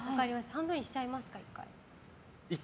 半分にしちゃいますか、１回。